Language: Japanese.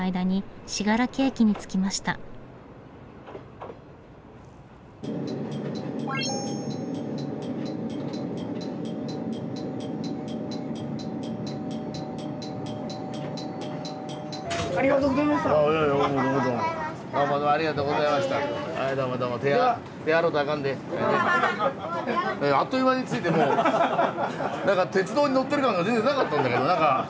何か鉄道に乗ってる感が全然なかったんだけど。